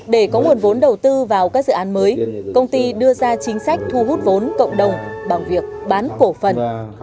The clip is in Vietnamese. để có nguồn vốn đầu tư vào các dự án mới công ty đưa ra chính sách thu hút vốn cộng đồng bằng việc bán cổ phần